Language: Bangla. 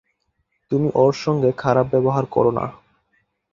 তুমি ওর সঙ্গে খারাপ ব্যবহার করো না।